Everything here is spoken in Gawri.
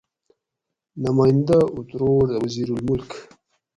نمائندہ اُتروڑ: وزیرالملک